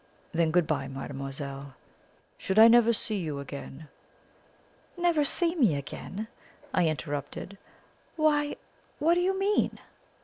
"Then good bye, mademoiselle. Should I never see you again " "Never see me again!" I interrupted. "Why, what do you mean?"